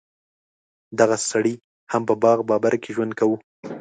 دغه سړي هم په باغ بابر کې ژوند کاوه.